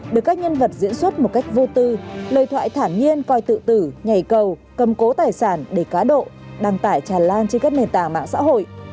được các nhân vật diễn xuất một cách vô tư lời thoại thản nhiên coi tự tử nhảy cầu cầm cố tài sản để cá độ đăng tải tràn lan trên các nền tảng mạng xã hội